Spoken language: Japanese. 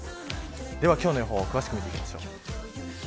では今日の予報を詳しく見ていきましょう。